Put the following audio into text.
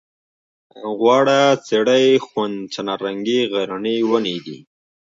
غوړه څېرۍ ښوون چناررنګی غرني ونې دي.